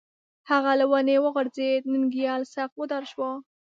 هغه له ونې وغورځېد، ننگيال سخت وډار شو